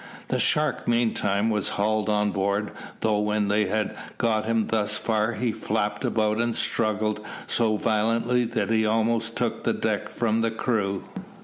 The shark meantime was hauled on board, though when they had got him thus far he flapped about and struggled so violently that he almost took the deck from the crew.